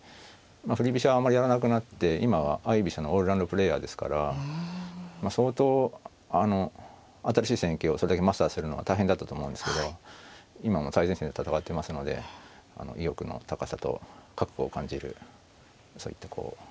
振り飛車はあんまりやらなくなって今は相居飛車のオールラウンドプレーヤーですから相当新しい戦型をそれだけマスターするのは大変だったと思うんですけど今も最前線で戦ってますので意欲の高さと覚悟を感じるそういった